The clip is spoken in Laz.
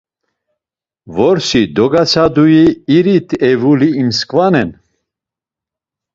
Vorsi dogatsadui iri tevuli imsǩvanen.